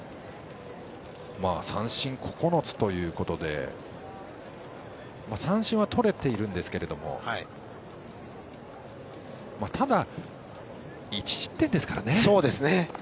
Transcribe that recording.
三振、９つということで三振はとれているんですけどただ、１失点ですからね。